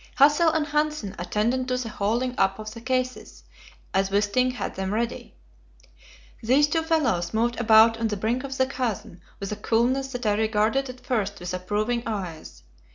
Hassel and Hanssen attended to the hauling up of the cases, as Wisting had them ready. These two fellows moved about on the brink of the chasm with a coolness that I regarded at first with approving eyes.